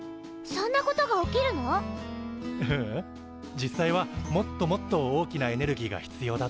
実際はもっともっと大きなエネルギーが必要だと思う。